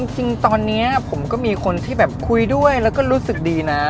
จริงตอนนี้ผมก็มีคนที่แบบคุยด้วยแล้วก็รู้สึกดีนะ